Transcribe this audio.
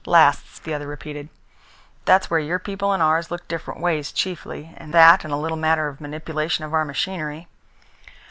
"Lasts," the other repeated. "That's where your people and ours look different ways chiefly, that and a little matter of manipulation of our machinery."